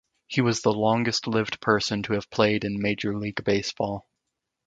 He was the longest-lived person to have played in Major League Baseball.